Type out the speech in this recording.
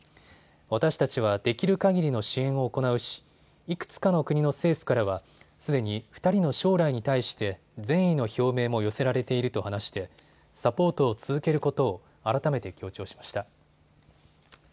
私たちはできるかぎりの支援を行うしいくつかの国の政府からはすでに２人の将来に対して善意の表明も寄せられていると話してサポートを続けることを改めて強調しました。